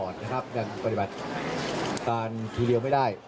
นี่ปรีบัติการที่เดียวไม่ได้